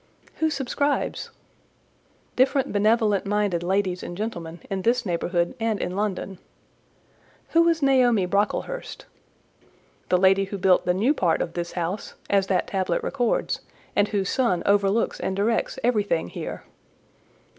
"Who subscribes?" "Different benevolent minded ladies and gentlemen in this neighbourhood and in London." "Who was Naomi Brocklehurst?" "The lady who built the new part of this house as that tablet records, and whose son overlooks and directs everything here."